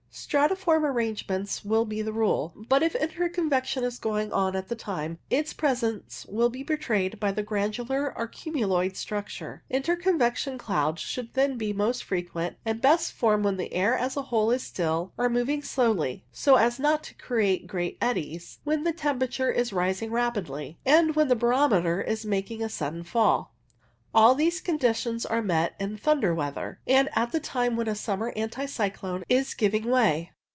Stratiform arrange ments will be the rule; but if interconvection is going on at the time, its presence will be betrayed by a granular or cumuloid structure. Intercon vection clouds should then be most frequent, and INFLUENCE OF HIIXS 129 best formed wheii the air as a whole is still or moving slowly (so as not to create great eddies), when the temperature is rising rapidly, and when the barometer is making a sudden fall. All these conditions are met in thunder weather, and at the time when a sum'mer anticyclone is giving way.